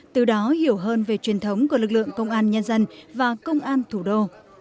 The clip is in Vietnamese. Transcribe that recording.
từ đó hiểu hơn về truyền thống của lực lượng công an nhân dân và công an thủ đô